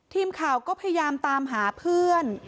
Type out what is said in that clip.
ทีมข่าวก็พยายามตามหาเพื่อน